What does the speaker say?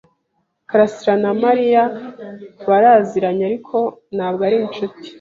karasira na Mariya baraziranye, ariko ntabwo ari inshuti.